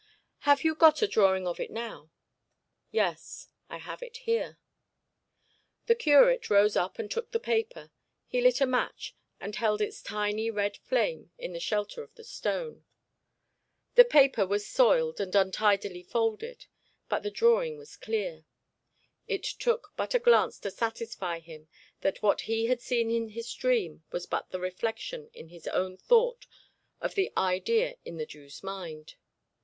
'Have you got a drawing of it now?' 'Yes, I have it here.' The curate rose up and took the paper. He lit a match, and held its tiny red flame in the shelter of the stone. The paper was soiled and untidily folded, but the drawing was clear. It took but a glance to satisfy him that what he had seen in his dream was but the reflection in his own thought of the idea in the Jew's mind.